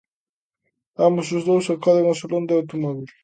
Ambos os dous acoden ao Salón do Automóbil.